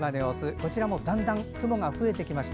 こちらも、だんだん雲が増えてきました。